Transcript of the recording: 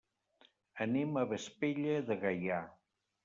Anem a Vespella de Gaià.